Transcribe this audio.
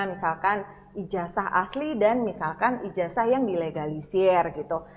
misalkan ijazah asli dan misalkan ijazah yang dilegalisir gitu